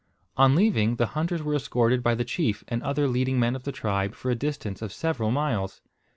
On leaving, the hunters were escorted by the chief and other leading men of the tribe for a distance of several miles.